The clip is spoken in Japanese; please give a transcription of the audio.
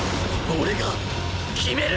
俺が決める！